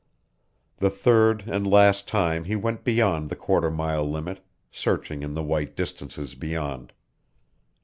The third and last time he went beyond the quarter mile limit, searching in the white distances beyond.